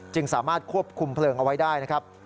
สามารถควบคุมเพลิงเอาไว้ได้นะครับ